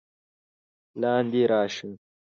لاندې راشه!